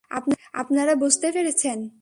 আপনারা বুঝতে পেরেছেন?